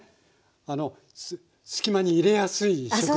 あの隙間に入れやすい食材というか。